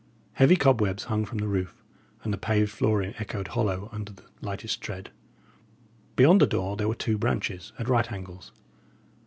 Heavy cobwebs hung from the roof; and the paved flooring echoed hollow under the lightest tread. Beyond the door there were two branches, at right angles.